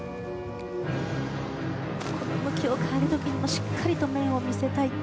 向きを変える時にもしっかりと面を見せたい。